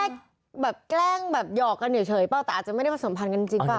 แบบแกล้งแบบหยอกกันเฉยเปล่าแต่อาจจะไม่ได้ผสมพันธ์กันจริงป่